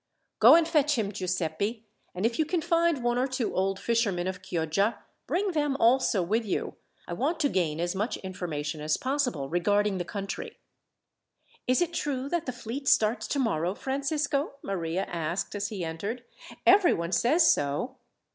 "Go and fetch him, Giuseppi; and if you can find one or two old fishermen of Chioggia, bring them also with you. I want to gain as much information as possible regarding the country." "Is it true that the fleet starts tomorrow, Francisco?" Maria asked as he entered. "Everyone says so."